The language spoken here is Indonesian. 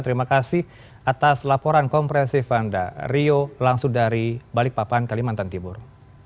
terima kasih atas laporan kompresif anda rio langsung dari balikpapan kalimantan timur